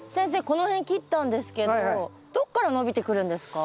この辺切ったんですけどどっから伸びてくるんですか？